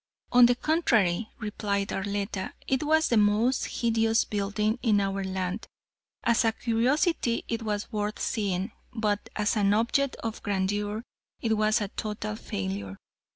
"On the contrary," replied Arletta, "it was the most hideous building in our land. As a curiosity it was worth seeing, but as an object of grandeur it was a total failure.